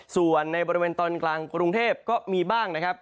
ส่วนในบริเวณตอนกลางกรุงเทพก็มีบ้างนะครับ